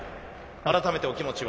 改めてお気持ちは？